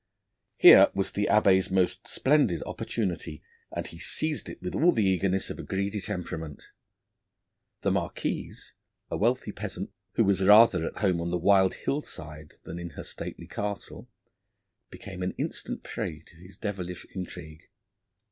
Here was the Abbé's most splendid opportunity, and he seized it with all the eagerness of a greedy temperament. The Marquise, a wealthy peasant, who was rather at home on the wild hill side than in her stately castle, became an instant prey to his devilish intrigue.